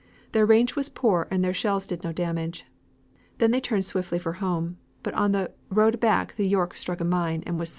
Their range was poor and their shells did no damage. They then turned swiftly for home, but on the road back the York struck a mine, and was sunk.